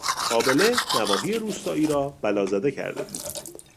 آبله نواحی روستایی را بلازده کرده بود.